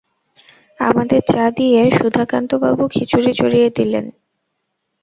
আমাদের চা দিয়ে সুধাকান্তবাবু খিচুড়ি চড়িয়ে দিলেন।